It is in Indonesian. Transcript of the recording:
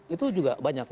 itu juga banyak